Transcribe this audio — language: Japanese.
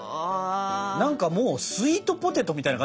何かもうスイートポテトみたいな感じになってるもんね。